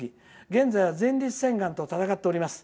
現在は前立腺がんと闘っております。